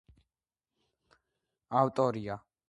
ავტორია რამდენიმე სამეცნიერო, მეთოდოლოგიური და მემუარული ნაშრომისა.